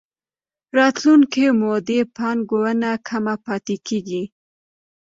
راتلونکې مولدې پانګونه کمه پاتې کېږي.